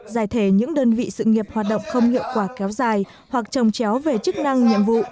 giải thể những đơn vị sự nghiệp hoạt động không hiệu quả kéo dài hoặc trồng chéo về chức năng nhiệm vụ